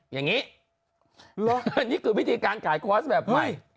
อย่างนี้นี่คือวิธีการขายคอร์สแบบไม่